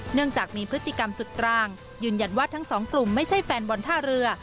เนื่องจากมีพฤติกรรมสุดกลางยืนยันว่าทั้งสองกลุ่มไม่ใช่แฟนบอลท่าเรือ